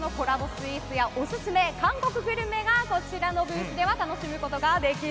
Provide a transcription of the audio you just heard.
スイーツやオススメの韓国グルメをこちらのブースでは楽しめます。